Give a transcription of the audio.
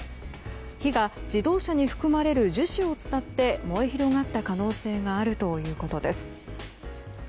火が自動車に含まれる樹脂を伝って燃え広がった可能性があるということです。